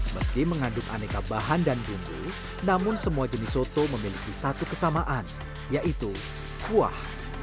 meski mengandung aneka bahan dan bumbu namun semua jenis soto memiliki satu kesamaan yaitu kuah